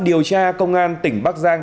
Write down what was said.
điều tra công an tỉnh bắc giang